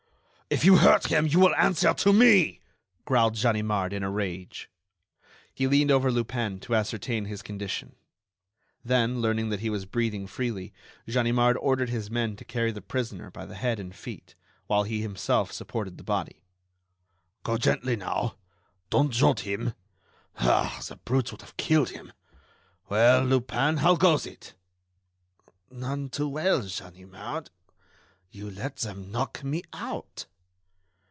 "If you hurt him you will answer to me," growled Ganimard, in a rage. He leaned over Lupin to ascertain his condition. Then, learning that he was breathing freely, Ganimard ordered his men to carry the prisoner by the head and feet, while he himself supported the body. "Go gently, now!... Don't jolt him. Ah! the brutes would have killed him.... Well, Lupin, how goes it?" "None too well, Ganimard ... you let them knock me out."